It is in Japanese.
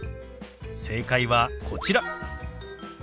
正解はこちら。